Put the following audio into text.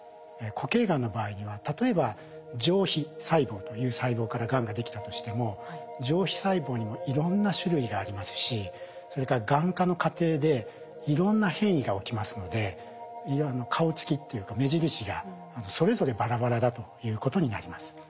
固形がんの場合には例えば上皮細胞という細胞からがんができたとしても上皮細胞にもいろんな種類がありますしそれからがん化の過程でいろんな変異が起きますので顔つきっていうか目印がそれぞれバラバラだということになります。